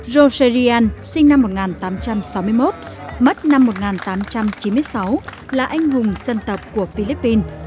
roserian sinh năm một nghìn tám trăm sáu mươi một mất năm một nghìn tám trăm chín mươi sáu là anh hùng dân tộc của philippines